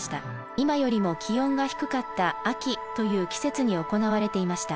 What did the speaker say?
今よりも気温が低かった「秋」という季節に行われていました。